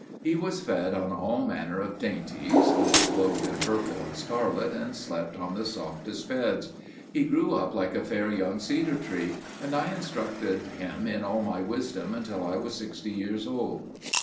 He was fed on all manner of dainties, he was clothed in purple and scarlet, and slept on the softest beds. He grew up like a fair young cedar tree; and I instructed him in all my wisdom, until I was sixty years old.